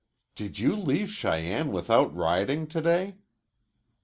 "Did you leave Cheyenne without riding to day?"